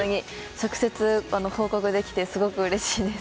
直接報告できてすごくうれしいです。